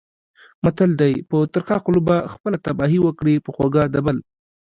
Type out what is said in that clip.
متل دی: په ترخه خوله به خپله تباهي وکړې، په خوږه د بل.